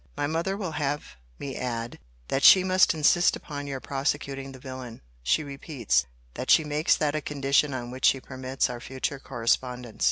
My mother will have me add, that she must insist upon your prosecuting the villain. She repeats, that she makes that a condition on which she permits our future correspondence.